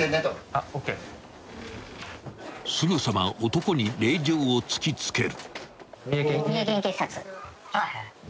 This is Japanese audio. ［すぐさま男に令状を突き付ける］